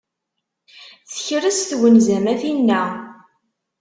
Tekres twenza-m a tinna.